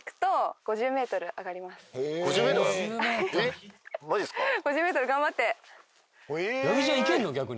５０ｍ頑張ってええー？